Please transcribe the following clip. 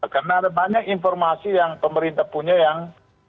karena ada banyak informasi yang pemerintah punya yang